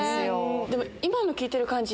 でも今の聞いてる感じ。